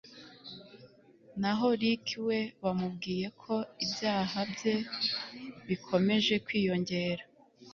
na ho Ricky we bamubwiye ko ibyaha bye bikomeje kwiyongera